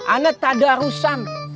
ana tak ada arusan